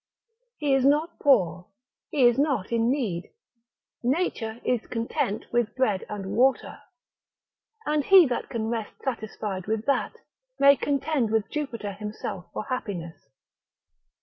he is not poor, he is not in need. Nature is content with bread and water; and he that can rest satisfied with that, may contend with Jupiter himself for happiness.